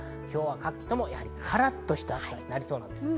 今日は各地ともカラっとした暑さなりそうなんです。